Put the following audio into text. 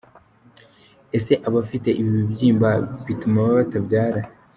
Ese abafite ibi bibyimba bituma batabyara?.